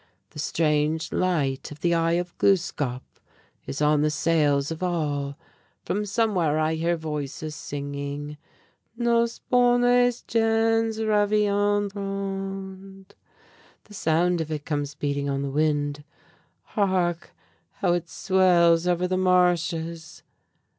The strange light of the 'Eye of Gluskâp,' is on the sails of all. From somewhere I hear voices singing, 'Nos bonnes gens reviendront.' The sound of it comes beating on the wind. Hark! how it swells over the marshes!"